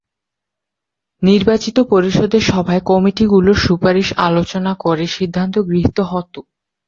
নির্বাচিত পরিষদের সভায় কমিটি গুলোর সুপারিশ আলোচনা করে সিদ্ধান্ত গৃহীত হতো।